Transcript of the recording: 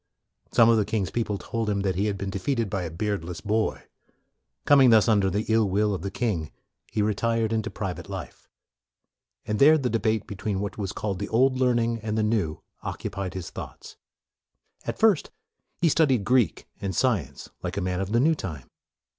Some of the king's people told him that he had been defeated by a beard less boy. Coming thus under the ill will MORE 33 of the king, he retired into private life. And there the debate between what was called the old learning and the new occu pied his thoughts. At first, he studied Greek and science, like a man of the new time.